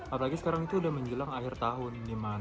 apalagi sekarang itu udah menjelang akhir tahun